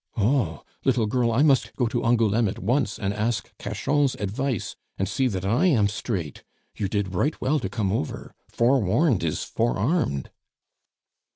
Oh! little girl, I must go to Angouleme at once and ask Cachan's advice, and see that I am straight. You did right well to come over. Forewarned is forearmed."